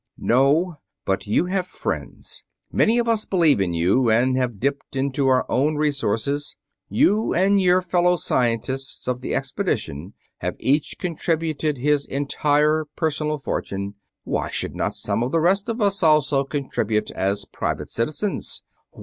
"No, but you have friends. Many of us believe in you, and have dipped into our own resources. You and your fellow scientists of the expedition have each contributed his entire personal fortune; why should not some of the rest of us also contribute, as private citizens?"